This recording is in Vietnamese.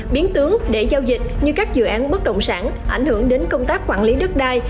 biến tướng để giao dịch như các dự án bất động sản ảnh hưởng đến công tác quản lý đất đai